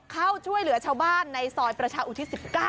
เข้าช่วยเหลือชาวบ้านในซอยประชาอุทิศ๑๙